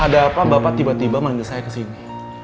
ada apa bapak tiba tiba mandi saya ke sini